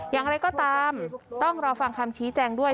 อย่างไรก็ตามต้องรอฟังคำชี้แจงด้วย